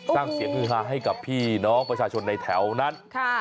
สร้างเสียงฮือฮาให้กับพี่น้องประชาชนในแถวนั้น